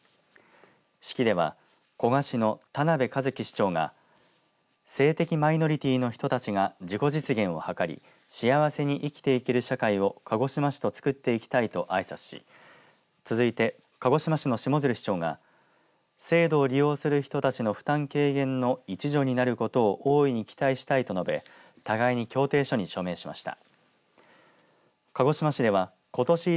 式では、古賀市の田辺一城市長が性的マイノリティーの人たちが自己実現を図り幸せに生きていける社会を鹿児島市と作っていきたいとあいさつし続いて鹿児島市の下鶴市長が制度の利用する人たちの負担軽減の一助になることを大いに期待したいと述べ互いに協定書に署名しました。